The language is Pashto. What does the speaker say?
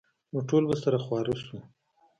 نو ټول به سره خواره سو.